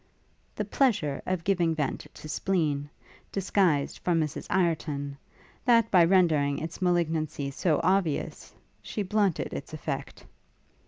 The pleasure of giving vent to spleen, disguised from Mrs Ireton, that by rendering its malignancy so obvious, she blunted its effect.